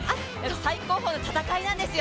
最高峰の戦いなんですよ。